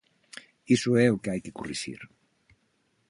Iso é o que hai que corrixir.